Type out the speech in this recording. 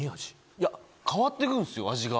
・いや変わっていくんですよ味が。